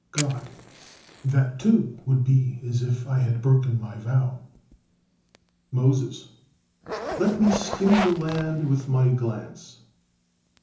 God: "That, too, would be as if I had broken My vow." Moses: "Let me skim the land with my glance."